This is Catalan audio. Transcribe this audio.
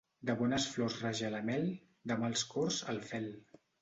De bones flors raja la mel; de mals cors, el fel.